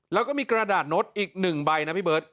แล้วก็มีกระดาษโน้ตอีก๑ใบนะพี่เบิร์ต